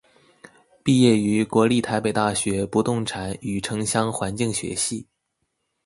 毕业于国立台北大学不动产与城乡环境学系。